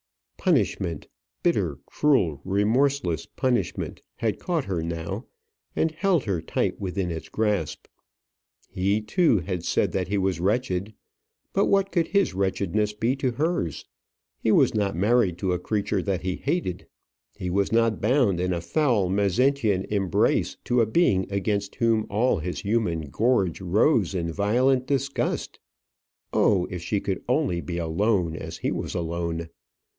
Punishment bitter, cruel, remorseless punishment had caught her now, and held her tight within its grasp. He, too, had said that he was wretched. But what could his wretchedness be to hers? He was not married to a creature that he hated: he was not bound in a foul Mezentian embrace to a being against whom all his human gorge rose in violent disgust. Oh! if she could only be alone, as he was alone!